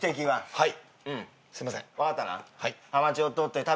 はい？